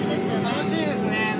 楽しいですね。